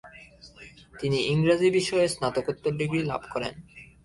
তিনি ইংরাজী বিষয়ে স্নাতকোত্তর ডিগ্রি লাভ করেন।